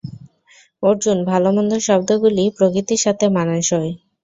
অর্জুন, ভালো-মন্দ শব্দগুলি প্রকৃতির সাথে মানান সই।